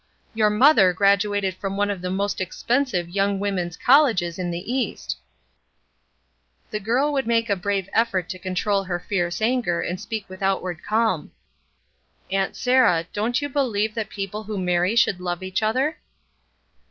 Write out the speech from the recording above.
Your mother graduated from one of the most 52 ESTER RIED'S NAMESAKE expensive young women's colleges in the ^^e girl would make a brave effort to control her fierce anger and speak with outward cahn. " Aunt Sarah, don't you believe that people who marry should love each other?"